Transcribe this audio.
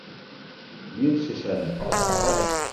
Бир шешәне!